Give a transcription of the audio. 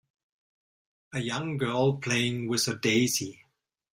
A young girl playing with a daisy.